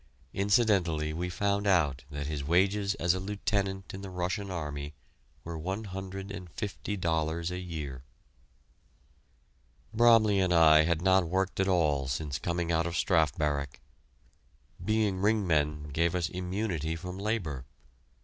Incidentally we found out that his wages as a Lieutenant in the Russian Army were one hundred and fifty dollars a year! Bromley and I had not worked at all since coming out of Strafe Barrack. Being ring men gave us immunity from labor.